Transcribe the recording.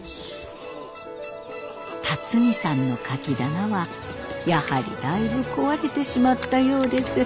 龍己さんのカキ棚はやはりだいぶ壊れてしまったようです。